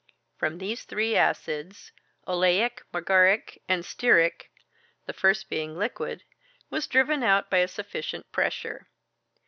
From these three acids oleic, margaric, and stearic the first, being liquid, was driven out by a sufficient pressure.